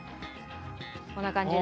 こんな感じで。